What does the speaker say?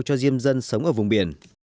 cho diêm dân sống ở vùng biển